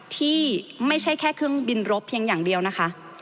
ที่ไม่ใช่แค่เครื่องบินรบเพียงอย่างเดียวนะคะ